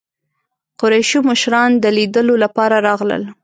قریشو مشران د لیدلو لپاره راغلل.